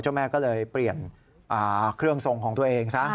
แม่ก็เลยเปลี่ยนเครื่องทรงของตัวเองซะ